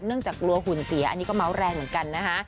จากกลัวหุ่นเสียอันนี้ก็เมาส์แรงเหมือนกันนะคะ